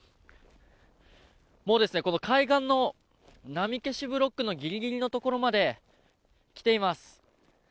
もう、この海岸の波消しブロックのギリギリのところまで来ています。